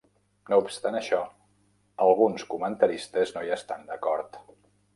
No obstant això, alguns comentaristes no hi estan d"acord.